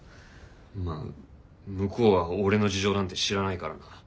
まあ向こうは俺の事情なんて知らないからな。